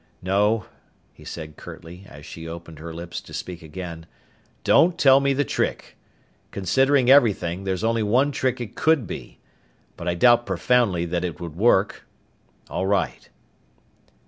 No," he said curtly as she opened her lips to speak again, "don't tell me the trick. Considering everything, there's only one trick it could be. But I doubt profoundly that it would work. All right."